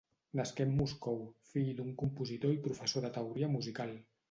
Nasqué en Moscou, fill d'un compositor i professor de teoria musical.